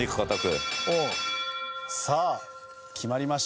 さあ決まりました。